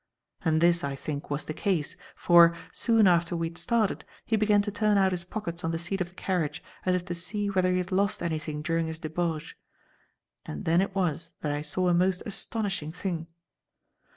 And this, I think, was the case, for, soon after we had started, he began to turn out his pockets on the seat of the carriage, as if to see whether he had lost anything during his debauch. And then it was that I saw a most astonishing thing.